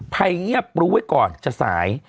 ภัยเงียบรู้ไว้ก่อนจะสาย